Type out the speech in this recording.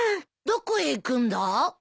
どこへ行くんだ？